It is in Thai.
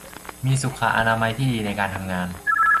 มีสุขอนามัยที่ดีในการทำงาน